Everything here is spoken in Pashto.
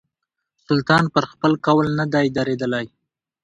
سلطان پر خپل قول نه دی درېدلی.